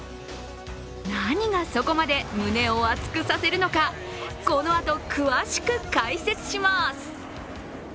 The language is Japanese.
何がそこまで胸を熱くさせるのか、このあと詳しく解説します。